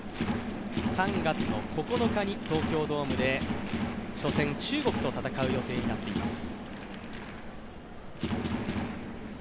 ３月の９日に東京ドームで初戦中国と戦う予定になっています。